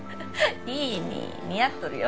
いいに似合っとるよ